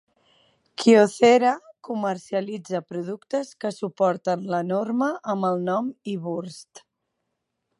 Kyocera comercialitza productes que suporten la norma amb el nom iBurst.